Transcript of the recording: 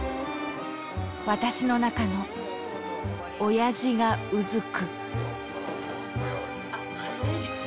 私の中のオヤジがうずく。